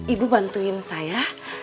ibu bantuin saya